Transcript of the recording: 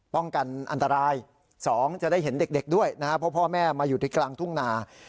ป้องกันอันตราย๒จะได้เห็นเด็กด้วยนะครับเพราะพ่อแม่มาอยู่ที่กลางทุ่งนา